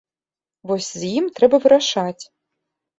Вось з ім трэба вырашаць.